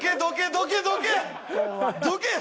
どけ！！